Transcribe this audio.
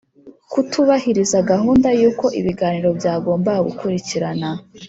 Kutubahiriza gahunda y uko ibiganiro byagombaga gukurikirana